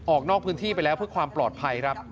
ออกนอกพื้นที่ไปแล้วเพื่อความปลอดภัยครับ